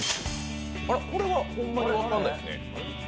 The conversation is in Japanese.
これはほんまに分かんないですね。